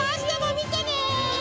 みてね！